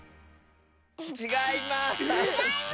ちがいます！